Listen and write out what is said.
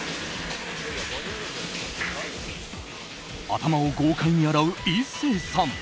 頭を豪快に洗う壱成さん。